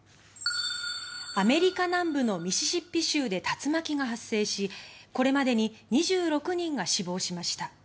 アメリカ南部のミシシッピ州で竜巻が発生しこれまでに２６人が死亡しました。